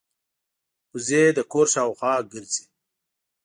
وزې د کور شاوخوا ګرځي